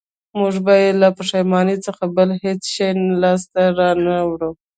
موږ به بې له پښېمانۍ څخه بل هېڅ شی لاسته را نه وړو